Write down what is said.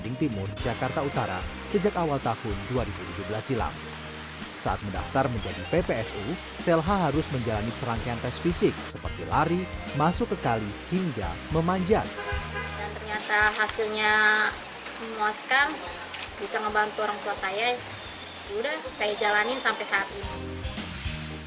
dan ternyata hasilnya memuaskan bisa membantu orang tua saya yaudah saya jalanin sampai saat ini